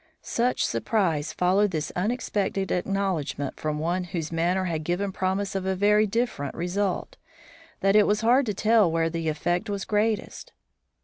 Such surprise followed this unexpected acknowledgment from one whose manner had given promise of a very different result, that it was hard to tell where the effect was greatest.